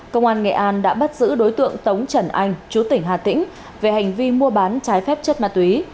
công an nghệ an đã bắt giữ đối tượng tống trần anh chú tỉnh hà tĩnh về hành vi mua bán trái phép chất ma túy